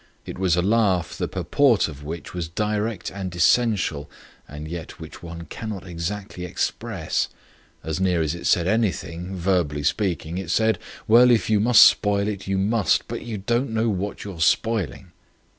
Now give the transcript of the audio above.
It was a laugh, the purport of which was direct and essential, and yet which one cannot exactly express. As near as it said anything, verbally speaking, it said: "Well, if you must spoil it, you must. But you don't know what you're spoiling."